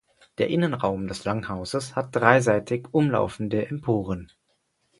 Der Innenraum des Langhauses hat dreiseitig umlaufende Emporen.